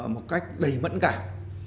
một cách đầy mẫn cảnh